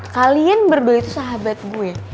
kalian berdua itu sahabat gue